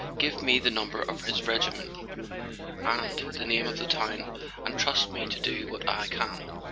Give me the number of his regiment and the name of the town, and trust me to do what I can."